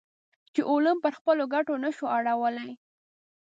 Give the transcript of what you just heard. چې علوم پر خپلو ګټو نه شو اړولی.